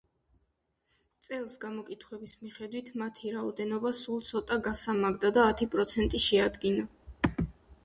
წელს გამოკითხვების მიხედვით, მათი რაოდენობა სულ ცოტა, გასამმაგდა და ათი პროცენტი შეადგინა.